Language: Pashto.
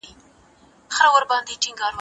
شاه محمود د افغانستان د خپلواکۍ د لارې یو اتل و.